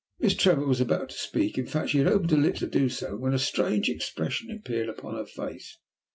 Miss Trevor was about to speak, in fact she had opened her lips to do so, when a strange expression appeared upon her face.